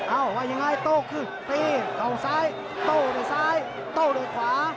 ว่ายังไงโต้คือตีเข้าซ้ายโต้ด้วยซ้ายโต้ด้วยขวา